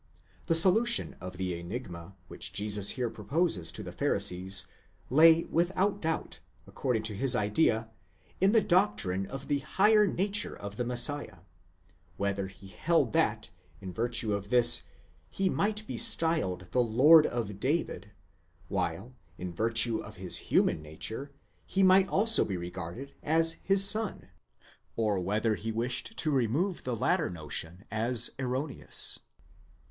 The solution of the enigma which Jesus here proposes to the Pharisees, lay without doubt, according to his idea, in the doctrine of the higher nature of the Messiah ; whether he held that, in virtue of this, he might be styled the Lord of David, while, in virtue of his human nature, he might also be regarded as his son; or whether he wished to remove the latter notion as erroneous.